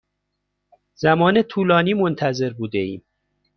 زمان طولانی منتظر بوده ایم.